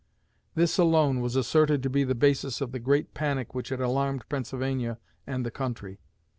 This alone was asserted to be the basis of the great panic which had alarmed Pennsylvania and the country.